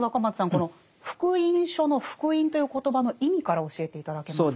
この「福音書」の「福音」という言葉の意味から教えて頂けますか？